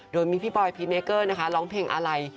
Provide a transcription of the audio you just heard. โดยมีพี่บอยพีเมเกอร์นะคะร้องเพลงอะไร